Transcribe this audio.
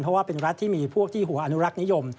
เพราะว่าเป็นรัฐที่มีพวกที่หัวอนุรักษ์นิยม